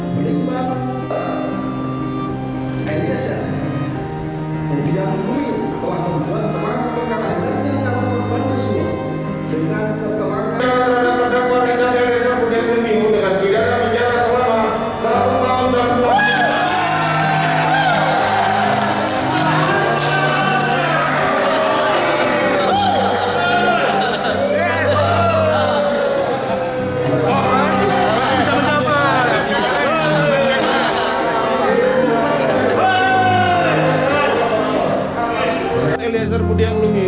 berikmat eh ya saya kemudian lalu telah membuat terang dan kemudian kita berubah ke semua dengan keterangan